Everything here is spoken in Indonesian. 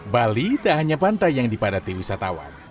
bali tak hanya pantai yang dipadati wisatawan